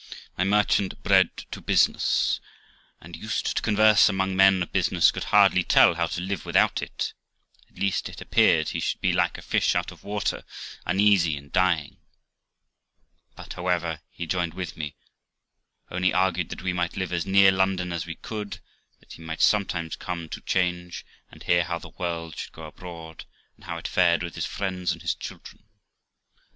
My merchant, bred to business and used to converse among men of business, could hardly tell how to live without it; at least it appeared he should be like a fish out of water, uneasy and dying. But, however, he joined with me; only argued that we might live as near London as we could, that he might sometimes come to 'Change and hear how the world should go abroad, and how it fared with his friends and his children.